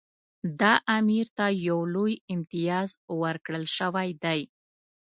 دا امیر ته یو لوی امتیاز ورکړل شوی دی.